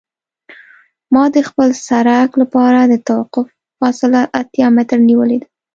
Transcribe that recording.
ما د خپل سرک لپاره د توقف فاصله اتیا متره نیولې ده